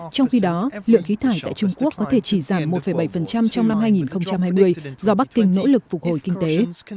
trong khi đó lượng khí thải tại trung quốc có thể chỉ giảm một bảy trong năm hai nghìn hai mươi do bắc kinh nỗ lực phục hồi kinh tế